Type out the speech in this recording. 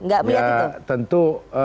gak berarti itu tentu